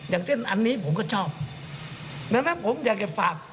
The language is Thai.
อย่างเช่นอันนี้ผมก็ชอบดังนั้นผมอยากจะฝาก